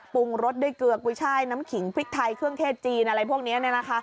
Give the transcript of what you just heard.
ปรุงรสด้วยเกลือกุ้ยช่ายน้ำขิงพริกไทยเครื่องเทศจีนอะไรพวกนี้